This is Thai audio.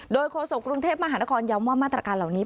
โดยโฆษกรุงเทพมหานครย้ำว่ามาตรการเหล่านี้